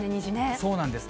そうなんですね。